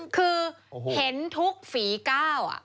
คือเห็นทุกฝีก้าว